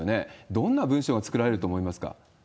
どんな文書が作られると思いますか？